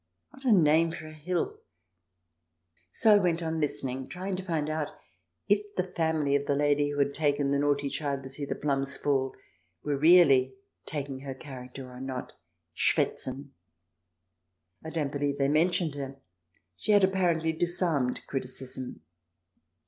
What a name for a hill ! So I went on listening, trying to find out if the family of the lady who had taken the naughty child to see the plums fall were really taking her character or not — schwiitzen. I don't believe they mentioned her ; she had apparently disarmed criticism.